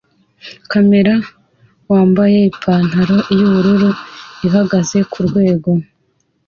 Kamera wambaye ipantaro yubururu ihagaze kurwego